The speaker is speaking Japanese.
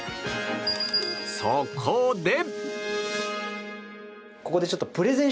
そこで。